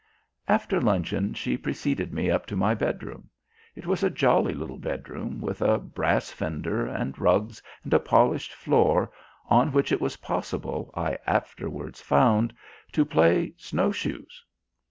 After luncheon she preceded me up to my bedroom. It was a jolly little bedroom, with a brass fender and rugs and a polished floor, on which it was possible, I afterwards found, to play "snow shoes."